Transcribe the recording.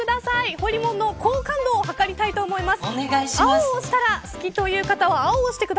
ほりもんの好感度を測りたいと思います。